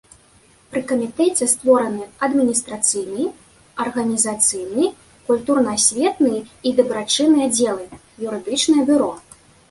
Пры камітэце створаны адміністрацыйны, арганізацыйны, культурна-асветны і дабрачынны аддзелы, юрыдычнае бюро.